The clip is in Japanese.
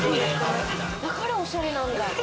だからおしゃれなんだ。